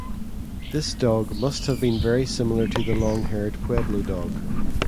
This dog must have been very similar to the long-haired pueblo dog.